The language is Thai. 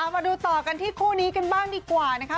มาดูต่อกันที่คู่นี้กันบ้างดีกว่านะคะ